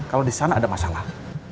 kalau disana ada masalah